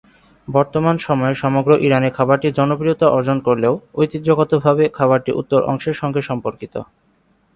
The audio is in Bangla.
বর্তমান সময়ে সমগ্র ইরানে খাবারটি জনপ্রিয়তা অর্জন করলেও ঐতিহ্যগত ভাবে খাবারটি উত্তর অংশের সংগে সম্পর্কিত।